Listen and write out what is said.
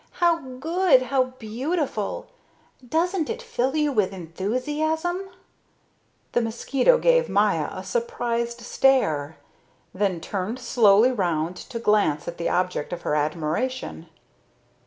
How good, how beautiful! Doesn't it fill you with enthusiasm?" The mosquito gave Maya a surprised stare, then turned slowly round to glance at the object of her admiration.